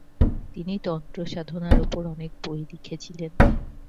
তিনি তন্ত্রসাধনার ওপর অনেক বই লিখেছিলেন।